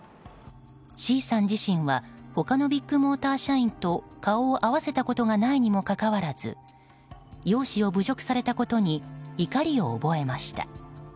Ｃさん自身は他のビッグモーター社員と顔を合わせたことがないにもかかわらず容姿を侮辱されたことに怒りを覚えました。